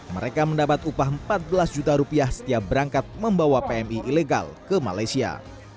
mereka mendapat upah empat belas juta rupiah setiap berangkat membawa pmi ilegal ke malaysia